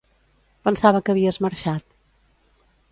Pensava que havies marxat.